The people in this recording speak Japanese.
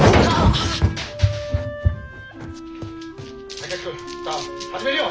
・武志君さあ始めるよ。